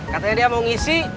katanya dia mau ngisi